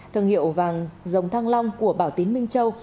thương hiệu vàng dòng thăng long của bảo tín minh châu